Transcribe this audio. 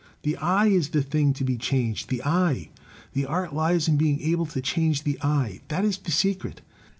The eye is the thing to be changed — the eye! The art lies in being able to change the eye. That is the secret."